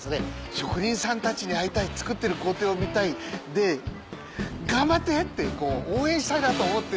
職人さんたちに会いたい作ってる工程を見たい頑張って！って応援したいなと思って。